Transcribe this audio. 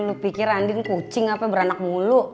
lu pikir andin kucing apa beranak mulu